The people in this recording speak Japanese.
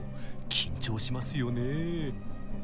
緊張しますよねぇ。